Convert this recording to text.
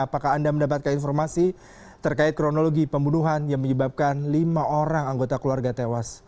apakah anda mendapatkan informasi terkait kronologi pembunuhan yang menyebabkan lima orang anggota keluarga tewas